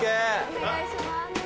お願いします。